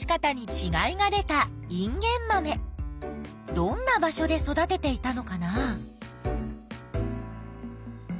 どんな場所で育てていたのかな？